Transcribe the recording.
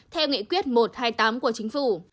theo nghị quyết một trăm hai mươi tám của chính phủ